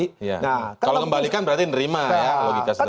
kalau membalikan berarti nerima ya logika sederhananya